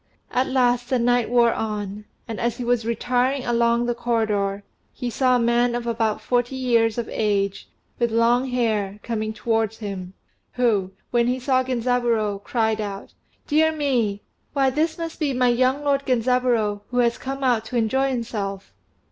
At last the night wore on; and as he was retiring along the corridor, he saw a man of about forty years of age, with long hair, coming towards him, who, when he saw Genzaburô, cried out, "Dear me! why this must be my young lord Genzaburô who has come out to enjoy himself."